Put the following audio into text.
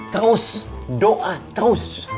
terus doa terus